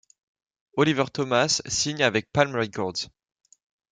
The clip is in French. Oliver Thomas signe avec Palm Records.